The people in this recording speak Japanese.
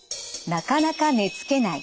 なかなか寝つけない。